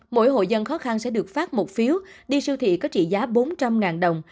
mỗi hội dân khó khăn sẽ được phát một phiếu đi siêu thị có trị giá bốn trăm linh đồng